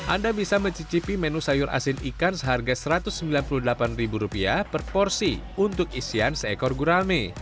anda bisa mencicipi menu sayur asin ikan seharga rp satu ratus sembilan puluh delapan per porsi untuk isian seekor gurame